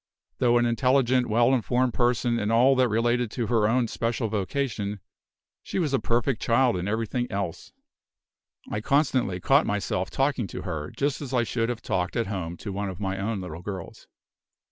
Though an intelligent, well informed person in all that related to her own special vocation, she was a perfect child in everything else. I constantly caught myself talking to her, just as I should have talked at home to one of my own little girls.